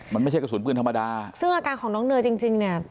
มันไม่ใช่กระสุนปืนธรรมดาซึ่งอาการของน้องเนยจริงจริงเนี่ย